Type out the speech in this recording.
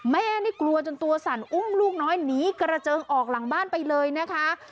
แม่นี่กลัวจนตัวสั่นอุ้มลูกน้อยหนีกระเจิงออกหลังบ้านไปเลยนะคะ